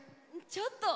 ちょっと。